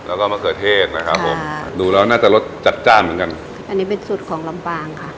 แล้วก็มะเขือเทศนะครับผมค่ะดูแล้วน่าจะรสจัดจ้านเหมือนกันอันนี้เป็นสูตรของลำปางค่ะ